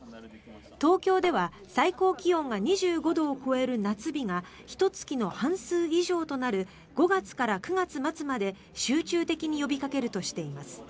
東京では最高気温が２５度を超える夏日がひと月の半数以上となる５月から９月末まで集中的に呼びかけるとしています。